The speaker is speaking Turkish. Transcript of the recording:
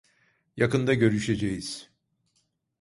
Yakında görüşeceğiz.